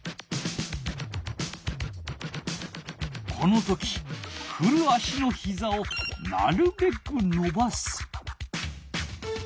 この時ふる足のひざをなるべくのばす。